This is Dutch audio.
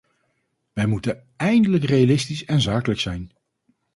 Wij moeten eindelijk realistisch en zakelijk zijn.